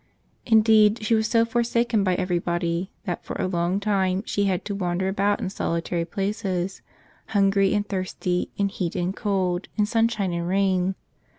Indeed, she was so forsaken by everybody that for a long time she had to wander about in solitary places, hungry, and thirsty, in heat and cold, in sunshine and rain.